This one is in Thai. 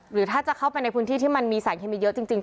หรือถ้าจะเข้าไปในพื้นที่ที่มันมีสารเคมีเยอะจริง